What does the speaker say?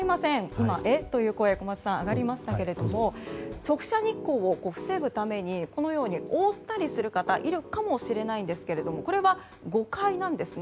今、えっという声が小松さんから上がりましたが直射日光を防ぐためにこのように覆ったりする方いるかもしれませんがこれは誤解なんですね。